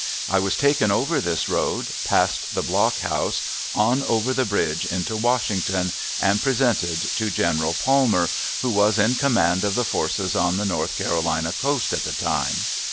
I was taken over this road, past the block house, on over the bridge into Washington, and presented to General Palmer, who was in command of the forces on the North Carolina coast at the time.